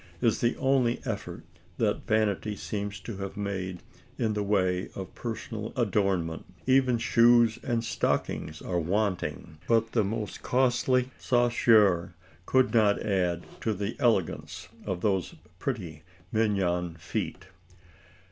is the only effort that vanity seems to have made in the way of personal adornment. Even shoes and stockings are wanting; but the most costly chaussure could not add to the elegance of those pretty mignon feet.